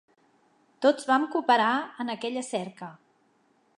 Tots vam cooperar en aquella cerca.